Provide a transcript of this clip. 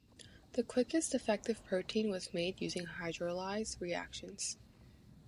The quickest effective protein was made using hydrolyzed reactions.